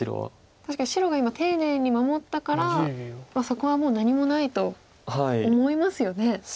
確かに白が今丁寧に守ったからそこはもう何もないと思いますよね。